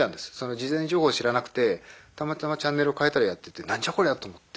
事前情報を知らなくてたまたまチャンネルを変えたらやってて何じゃこりゃと思って。